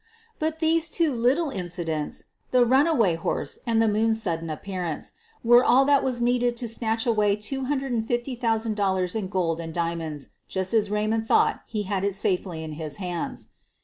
But these two lit tle incidents — the runaway horse and the moon's sudden appearance — were all that was needed to snatch away $250,000 in gold and diamonds just as Kaymond thought he had it safely in his hands.